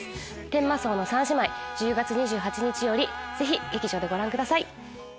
『天間荘の三姉妹』１０月２８日よりぜひ劇場でご覧ください。